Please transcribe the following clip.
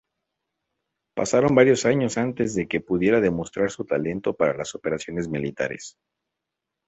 Pasaron varios años antes de que pudiera demostrar su talento para las operaciones militares.